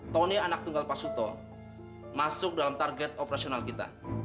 tony anak tunggal pak suto masuk dalam target operasional kita